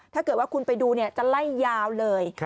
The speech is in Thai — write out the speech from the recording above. ถ้าเกิดว่าคุณไปดูจะไล่ยาวเลย